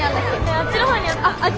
あっちの方にあった。